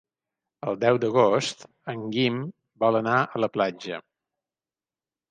El deu d'agost en Guim vol anar a la platja.